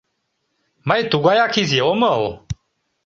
Мый тугаяк изи омыл.